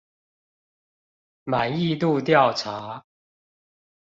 滿意度調查